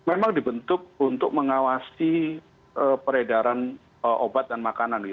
dan ini memang dibentuk untuk mengawasi peredaran obat dan makanan